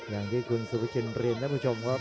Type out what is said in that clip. อย่างที่คุณสุภาชินบริยาทัศน์คุณผู้ชมครับครับ